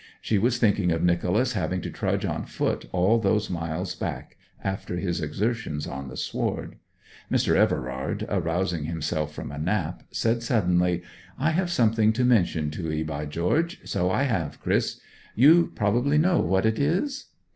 She was thinking of Nicholas having to trudge on foot all those miles back after his exertions on the sward. Mr. Everard, arousing himself from a nap, said suddenly, 'I have something to mention to 'ee, by George so I have, Chris! You probably know what it is?'